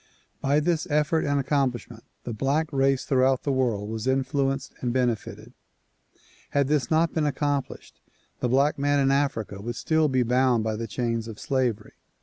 By this effort and accomplishment the black race throughout the world was influenced and benefited. Had this not been accomplished the black man in Africa would still be bound by the chains of slavery.